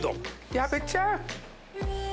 矢部ちゃん！